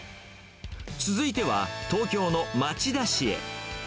続いては、東京の町田市へ。